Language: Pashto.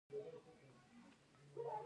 افغانستان د خپلو ښو پسونو له امله شهرت لري.